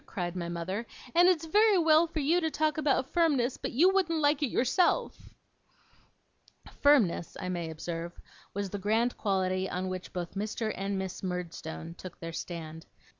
cried my mother, 'and it's very well for you to talk about firmness, but you wouldn't like it yourself.' Firmness, I may observe, was the grand quality on which both Mr. and Miss Murdstone took their stand.